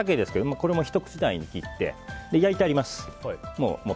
鮭をひと口大に切って焼いてあります。